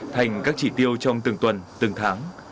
thành các chỉ tiêu trong từng tuần từng tháng